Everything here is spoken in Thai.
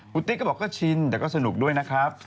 คุณติ๊กก็บอกก็ชินแต่ก็สนุกด้วยนะครับ